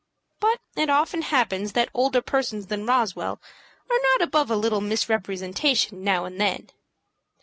But it often happens that older persons than Roswell are not above a little misrepresentation now and then.